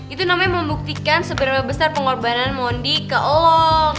itu namanya membuktikan seberapa besar pengorbanan moni ke oong